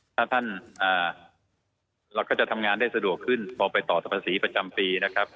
ถ้าท่านเราก็จะทำงานได้สะดวกขึ้นพอไปต่อสภาษีประจำปีนะครับ